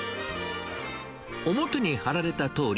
表に貼られたとおり